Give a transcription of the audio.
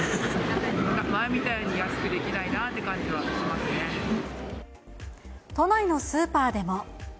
前みたいに安くできないなっ都内のスーパーでも。